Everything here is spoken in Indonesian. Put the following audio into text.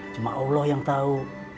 cuma allah yang tahu